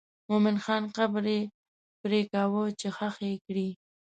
د مومن خان قبر یې پرېکاوه چې ښخ یې کړي.